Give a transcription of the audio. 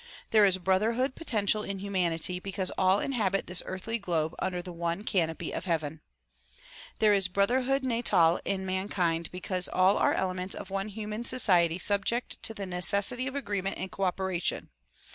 There is brotherhood potential in humanity because all inhabit this earthly globe under the one canopy of heaven. There is brother hood natal in mankind because all are elements of one human society subject to the necessity of agreement and cooperation.